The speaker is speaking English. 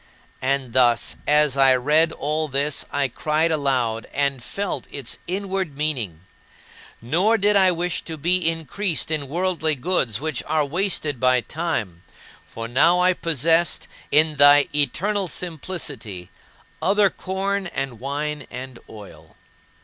And thus as I read all this, I cried aloud and felt its inward meaning. Nor did I wish to be increased in worldly goods which are wasted by time, for now I possessed, in thy eternal simplicity, other corn and wine and oil.